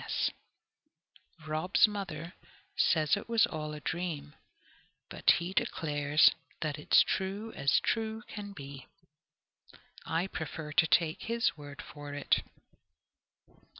P.S. Rob's mother says it was all a dream, but he declares that "it's true as true can be!" I prefer to take his word for it.